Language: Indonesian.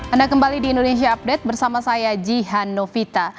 anda kembali di indonesia update bersama saya jihan novita